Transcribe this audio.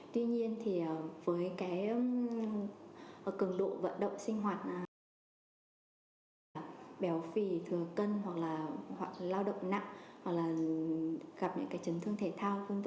tuy nhiên thì với cái cường độ vận động sinh hoạt béo phì thừa cân hoặc là lao động nặng hoặc là gặp những trấn thương thể thao v v